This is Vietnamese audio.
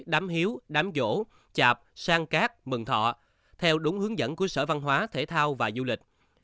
đám hiếu đám vỗ chạp sang cát mừng thọ theo đúng hướng dẫn của sở văn hóa thể thao và du lịch